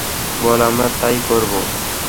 বল, আমরা তাই করব।